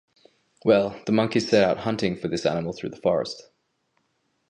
Well, the monkeys set out hunting for this animal through the forest.